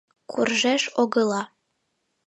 Куржеш огыла.